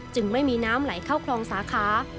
ไม่มีน้ำไหลเข้าคลองสาขา